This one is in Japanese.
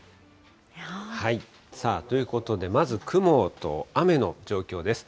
さあ、ということで、まず雲と雨の状況です。